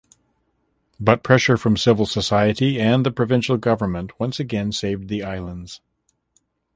But pressure from civil society and the provincial government once again saved the islands.